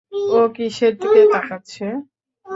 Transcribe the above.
ও কীসের দিকে তাকাচ্ছে?